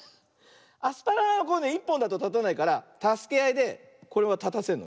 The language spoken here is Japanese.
アスパラ１ぽんだとたたないからたすけあいでこれはたたせるのね。